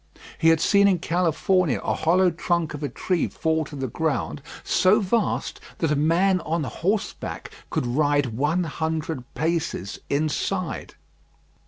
He had seen in California a hollow trunk of a tree fall to the ground, so vast that a man on horseback could ride one hundred paces inside.